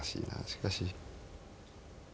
しかし。